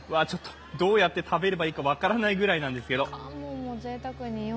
どうやって食べれば分からないぐらいなんですけど。